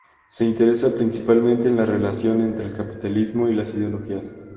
Se interesa principalmente en la relación entre el capitalismo y las ideologías.